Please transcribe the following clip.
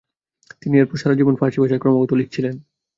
তিনি এরপর সারাজীবন ফারসি ভাষায় ক্রমাগত লিখছিলেন।